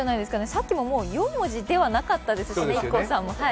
さっきももう、４文字ではなかったですしね、ＩＫＫＯさんも。